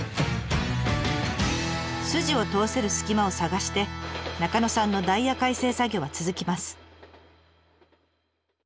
スジを通せる隙間を探して中野さんのダイヤ改正作業は続きます。